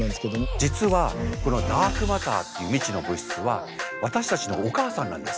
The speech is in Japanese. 実はこのダークマターっていう未知の物質は私たちのお母さんなんです。